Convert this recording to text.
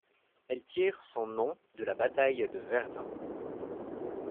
Elle tire son nouveau nom de la Bataille de Verdun.